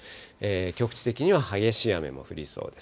局地的には激しい雨も降りそうです。